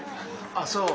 あっそう？